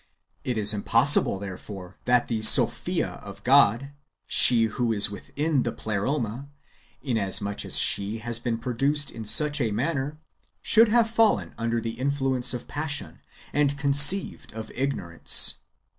It is impossible, there fore, that the Sophia (wisdom) of God, she who is within the Pleroma, inasmuch as she has been produced in such a manner, should have fallen under the influence of passion, and conceived such ignorance.